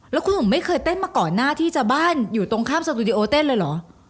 แล้วคุณหนุ่มไม่เคยเต้นมาก่อนหน้าที่จะบ้านอยู่ตรงข้ามสตูดิโอเต้นเลยเหรอ